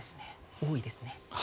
多いですね。